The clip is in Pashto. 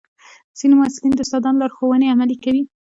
ځینې محصلین د استادانو لارښوونې عملي کوي.